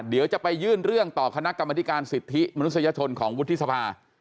เดี๋ยวจะไปยื่นเรื่องต่อคณะกรรมธิการสิทธิมนุษยชนของวุฒิสภา